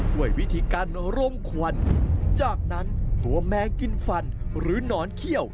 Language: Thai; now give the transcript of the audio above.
ด้วยวิธีการรมควันจากนั้นตัวแมงกินฟันหรือหนอนเขี้ยว